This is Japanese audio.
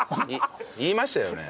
言いましたよね？